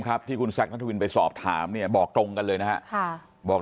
ที่คุณแซคนัทวินไปสอบถามเนี่ยบอกตรงกันเลยนะฮะบอก